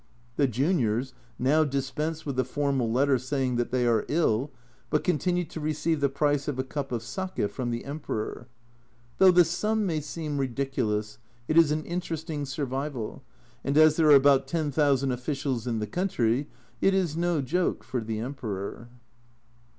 The juniors now dispense with the formal letter stating that they are ill, but continue to receive the price of a cup of sake from the Emperor ! Though the sum may seem ridiculous, it is an interesting survival, and as there are about ten thousand officials in the country, it is no joke for the Emperor